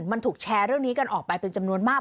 มันถูกแชร์เรื่องนี้กันออกไปเป็นจำนวนมาก